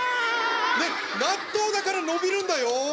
納豆だから伸びるんだよ。